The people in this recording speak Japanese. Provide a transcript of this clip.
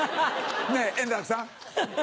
ねっ円楽さん。